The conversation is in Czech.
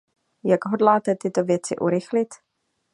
Jak hodláte tyto věci urychlit?